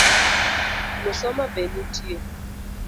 Musoma be nitie?